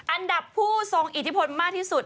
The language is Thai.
อันดับผู้ทรงอิทธิพลมากที่สุด